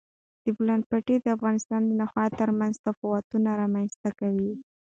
د بولان پټي د افغانستان د ناحیو ترمنځ تفاوتونه رامنځ ته کوي.